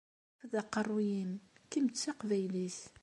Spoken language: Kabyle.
Rfed aqeṛṛu-yim kemm d taqbaylit!